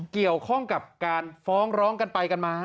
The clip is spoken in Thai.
เกี่ยวข้องกับการฟ้องร้องกันไปกันมา